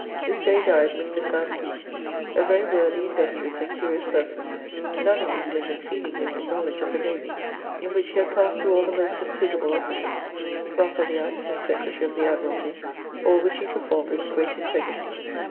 This day died Mr. Sam Pepys, a very worthy, industrious, and curious person, none in England exceeding him in knowledge of the navy, in which he had passed thro' all the most considerable offices, Clerk of the Acts and Secretary of the Admiralty, all which he performed with great integrity.